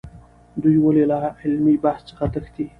دوی ولې له علمي بحث څخه تښتي؟